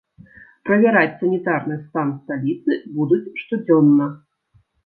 Правяраць санітарны стан сталіцы будуць штодзённа.